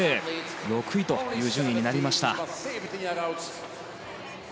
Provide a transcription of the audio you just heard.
６位という順位になりました。